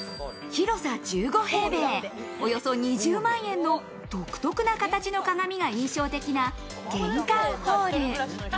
広さ１５平米、およそ２０万円の独特な形の鏡が印象的な玄関ホール。